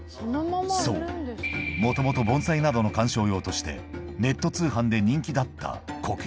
そうもともと盆栽などの観賞用としてネット通販で人気だったコケ